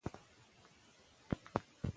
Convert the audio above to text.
د پاچا فرمانونه په بازارونو کې پلورل کېدل.